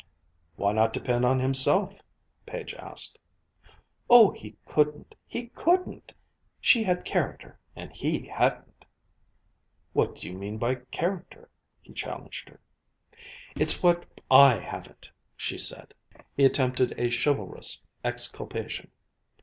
"Why not depend on himself?" Page asked. "Oh, he couldn't! He couldn't! She had character and he hadn't." "What do you mean by character?" he challenged her. "It's what I haven't!" she said. He attempted a chivalrous exculpation.